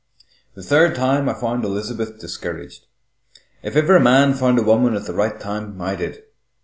The third time I found Elizabeth discouraged. If ever a man found a woman at the right time, I did.